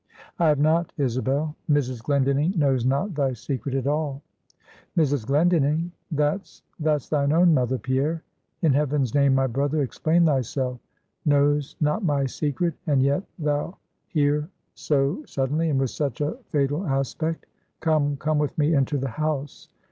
"I have not, Isabel. Mrs. Glendinning knows not thy secret at all." "Mrs. Glendinning? that's, that's thine own mother, Pierre! In heaven's name, my brother, explain thyself. Knows not my secret, and yet thou here so suddenly, and with such a fatal aspect? Come, come with me into the house.